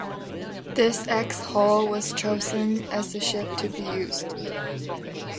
The ex-"Hoel" was chosen as the ship to be used.